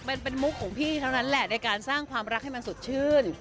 มุกของพี่เท่านั้นแหละในการสร้างความรักให้มันสดชื่น